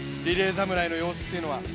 侍の様子というのは。